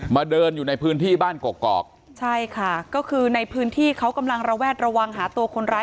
เดินอยู่ในพื้นที่บ้านกอกใช่ค่ะก็คือในพื้นที่เขากำลังระแวดระวังหาตัวคนร้าย